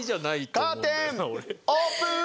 カーテンオープン！